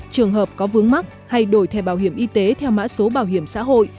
trường hợp có vướng mắc hay đổi thẻ bảo hiểm y tế theo mã số bảo hiểm xã hội